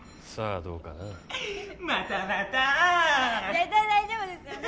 絶対大丈夫ですよね。